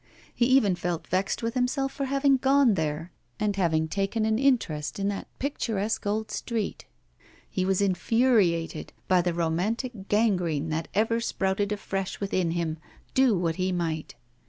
He even felt vexed with himself for having gone there, and having taken an interest in that picturesque old street; he was infuriated by the romantic gangrene that ever sprouted afresh within him, do what he might.